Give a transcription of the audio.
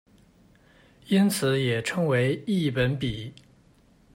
因此也称为益本比。